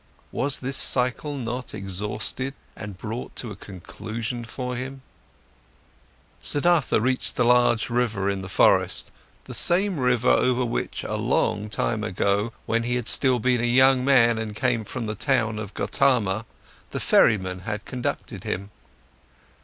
Was this cycle not exhausted and brought to a conclusion for him? Siddhartha reached the large river in the forest, the same river over which a long time ago, when he had still been a young man and came from the town of Gotama, a ferryman had conducted him.